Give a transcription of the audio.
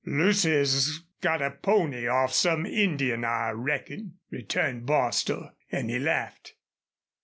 "Lucy's got a pony off some Indian, I reckon," returned Bostil, and he laughed.